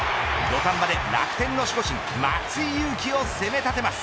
土壇場で楽天の守護神松井裕樹を攻め立てます。